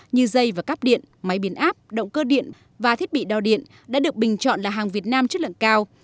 như dây và cắp điện máy biến áp động cơ điện và thiết bị đo điện đã được bình chọn là hàng việt nam chất lượng cao